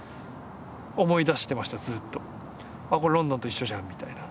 「あっこれロンドンと一緒じゃん」みたいな。